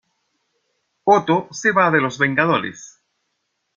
Otto se va de los Vengadores.